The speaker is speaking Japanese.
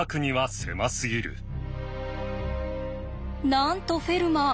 なんとフェルマー